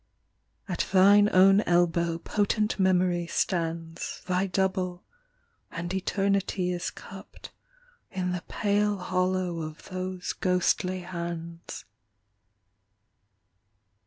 At thine own elbow potent Memory stands, Thy double, and eternity is cupped In the pale hollow of those ghostly hands.